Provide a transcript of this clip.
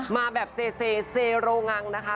มาแบบเซเซโรงังนะคะ